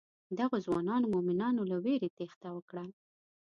دغو ځوانو مومنانو له وېرې تېښته وکړه.